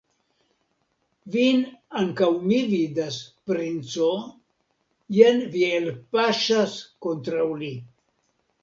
Vin ankaŭ mi vidas, princo, jen vi elpaŝas kontraŭ li.